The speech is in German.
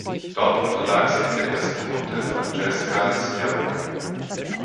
Dort unterlag sie in der ersten Runde Francesca Schiavone.